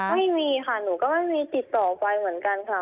ไม่มีค่ะหนูก็ไม่มีติดต่อไปเหมือนกันค่ะ